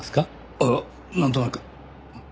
ああなんとなく。